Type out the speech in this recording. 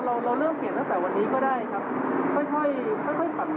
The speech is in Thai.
เราเริ่มเขียนตั้งแต่วันนี้ก็ได้ครับ